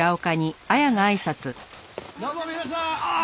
どうも皆さん！